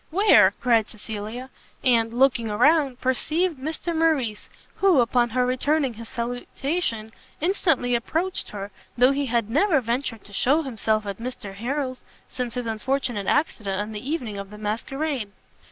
"Where?" cried Cecilia, and, looking round, perceived Mr Morrice; who, upon her returning his salutation, instantly approached her, though he had never ventured to shew himself at Mr Harrel's, since his unfortunate accident on the evening of the masquerade.